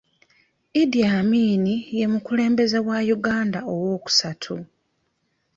Idi Amin ye mukulembeze wa Uganda owokusatu.